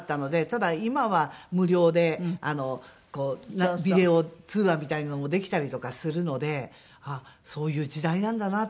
ただ今は無料でビデオ通話みたいなのもできたりとかするのであっそういう時代なんだなと思います。